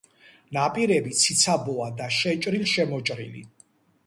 ნაპირები ციცაბოა და შეჭრილ-შემოჭრილი.